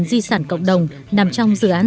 di sản cộng đồng nằm trong dự án